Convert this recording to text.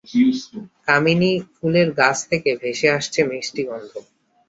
কামিনী ফুলের গাছ থেকে ভেসে আসছে মিষ্টি গন্ধ।